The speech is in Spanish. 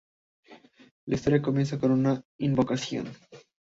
La historia comienza con una invocación.